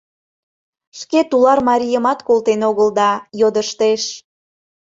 — Шке тулар марийымат колтен огыл да, йодыштеш...